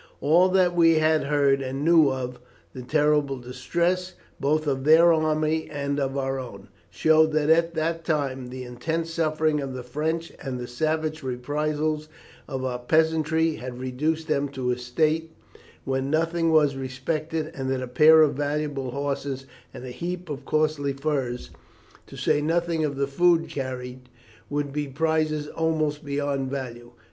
All that we had heard and knew of the terrible distress, both of their army and of our own, showed that at that time the intense suffering of the French and the savage reprisals of our peasantry had reduced them to a state when nothing was respected, and that a pair of valuable horses and a heap of costly furs, to say nothing of the food carried, would be prizes almost beyond value.